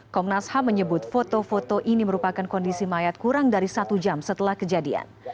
komnas ham menyebut foto foto ini merupakan kondisi mayat kurang dari satu jam setelah kejadian